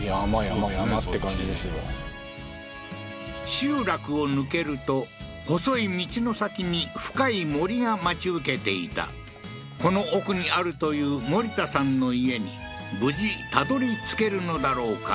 集落を抜けると細い道の先に深い森が待ち受けていたこの奥にあるというモリタさんの家に無事たどり着けるのだろうか？